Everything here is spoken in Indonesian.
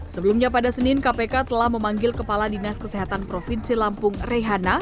sebelumnya pada senin kpk telah memanggil kepala dinas kesehatan provinsi lampung rehana